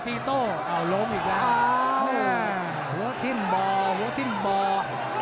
ตีโต้เอาลงอีกแล้วโอ้โหหัวทิ้งบอร์หัวทิ้งบอร์